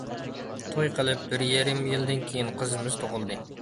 توي قىلىپ بىر يېرىم يىلدىن كېيىن قىزىمىز تۇغۇلدى.